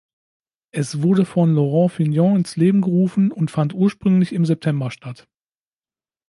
Es wurde von Laurent Fignon ins Leben gerufen und fand ursprünglich im September statt.